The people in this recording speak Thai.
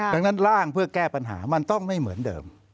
ดังนั้นร่างเพื่อแก้ปัญหามันต้องไม่เหมือนเดิม